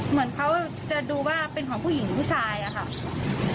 เหมือนเขาจะดูว่าเป็นของผู้หญิงหรือผู้ชายอะค่ะ